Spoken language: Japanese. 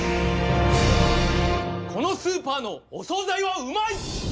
このスーパーのお総菜はうまい！